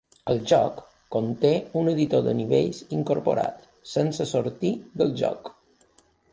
El joc conté un editor de nivells incorporat sense sortir del joc.